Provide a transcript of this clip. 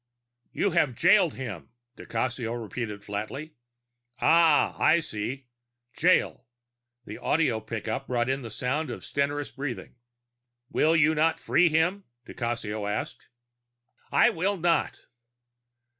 "You have jailed him," di Cassio repeated flatly. "Ah, I see. Jail." The audio pickup brought in the sound of stertorous breathing. "Will you not free him?" di Cassio asked. "I will not."